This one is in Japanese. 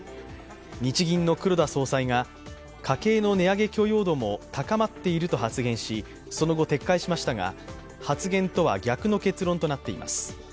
日銀の黒田総裁が家計の値上げ許容度も高まっていると発言し、その後、撤回しましたが発言とは逆の結論となっています。